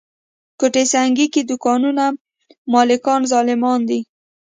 ګوته سنګي کې دوکانونو مالکان ظالمان دي.